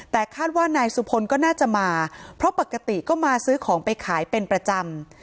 แต่คาดว่านายสุพลก็น่าจะมาเพราะปกติก็มาซื้อของไปขายเป็นประจำ